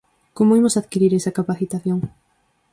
Como imos adquirir esa capacitación?